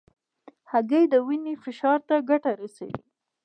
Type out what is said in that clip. هګۍ د وینې فشار ته ګټه رسوي.